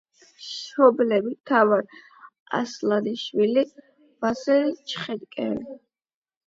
მშობლები: თამარ ასლანიშვილი, ვასილ ჩხენკელი.